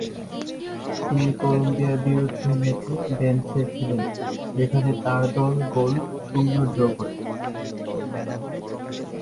তিনি কলম্বিয়ার বিরুদ্ধে ম্যাচে বেঞ্চে ছিলেন, যেখানে তার দল গোল শূন্য ড্র করে।